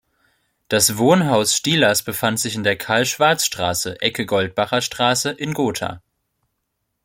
Das Wohnhaus Stielers befand sich in der Karl-Schwarz-Straße, Ecke Goldbacher Straße, in Gotha.